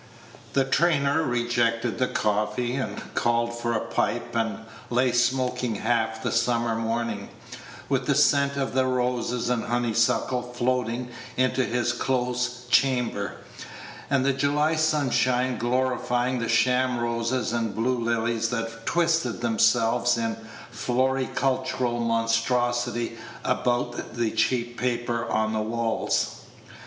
The trainer rejected the coffee, and called for a pipe, and lay smoking half the summer morning, with the scent of the roses and honeysuckle floating into his close chamber, and the July sunshine glorifying the sham roses and blue lilies that twisted themselves in floricultural monstrosity about the cheap paper on the walls.